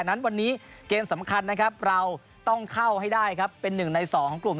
ดังนั้นวันนี้เกมสำคัญเราต้องเข้าให้ได้เป็น๑ใน๒ของกลุ่ม